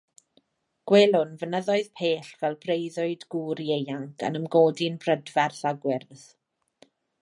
Gwelwn fynyddoedd pell, fel breuddwyd gŵr ieuanc, yn ymgodi'n brydferth a gwyrdd.